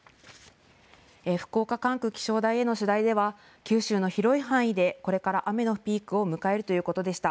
福岡管区気象台への取材では九州の広い範囲でこれから雨のピークを迎えるということでした。